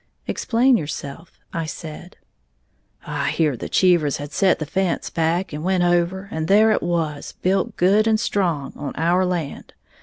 "Explain yourself," I said. "I heared the Cheevers had set the fence back, and went over, and there it was, built good and strong, on our land.